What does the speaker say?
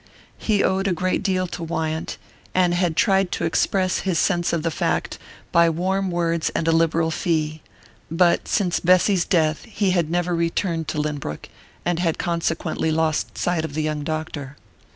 He owed a great deal to Wyant, and had tried to express his sense of the fact by warm words and a liberal fee; but since Bessy's death he had never returned to Lynbrook, and had consequently lost sight of the young doctor.